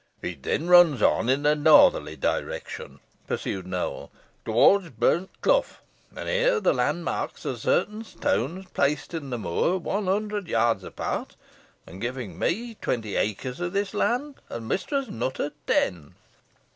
"It then runs on in a northerly direction," pursued Nowell, "towards Burst Clough, and here the landmarks are certain stones placed in the moor, one hundred yards apart, and giving me twenty acres of this land, and Mistress Nutter ten."